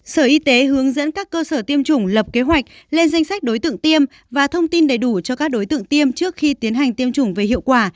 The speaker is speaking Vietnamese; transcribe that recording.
sở y tế hướng dẫn các cơ sở tiêm chủng lập kế hoạch lên danh sách đối tượng tiêm và thông tin đầy đủ cho các đối tượng tiêm trước khi tiến hành tiêm chủng về hiệu quả